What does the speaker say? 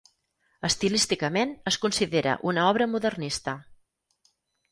Estilísticament es considera una obra modernista.